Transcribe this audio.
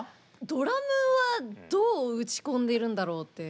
ドラムはどう打ち込んでいるんだろうって。